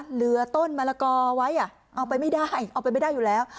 เหลือต้นมะละกอไว้เอาไปไม่ได้เอาไปไม่ได้อยู่แล้ว